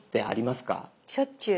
しょっちゅう。